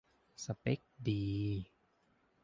สเป็กดี